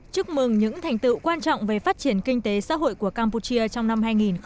chúc mừng những thành tựu quan trọng về phát triển kinh tế xã hội của campuchia trong năm hai nghìn một mươi chín